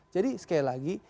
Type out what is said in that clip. jadi sekali lagi